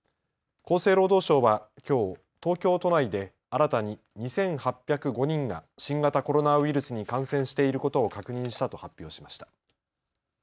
厚生労働省はきょう東京都内で新たに２８０５人が新型コロナウイルスに感染していることを確認したと発表しました。